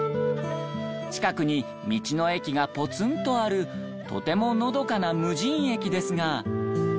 近くに道の駅がポツンとあるとてものどかな無人駅ですが。